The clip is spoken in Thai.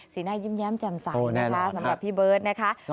สีหน้ายิ้มแย้มแจ่มใสนะคะสำหรับพี่เบิร์ดนะคะรูปโอ้แน่นอน